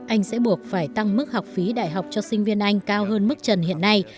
anh sẽ buộc phải tăng mức học phí đại học cho sinh viên anh cao hơn mức trần hiện nay